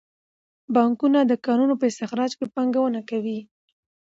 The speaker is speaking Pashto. بانکونه د کانونو په استخراج کې پانګونه کوي.